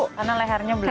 karena lehernya belum